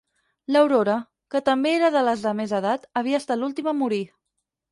L'Aurora, que també era la de més edat, havia estat l'última a morir.